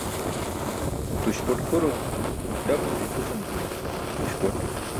Tuśpot xuro daku ce ipʰusan kuli tuśpot.